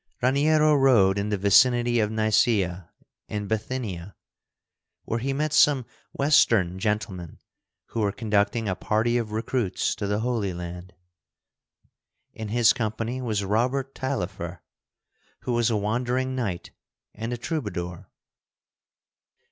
Raniero rode in the vicinity of Nicæa, in Bithynia. Here he met some western gentlemen who were conducting a party of recruits to the Holy Land. In this company was Robert Taillefer, who was a wandering knight and a troubadour.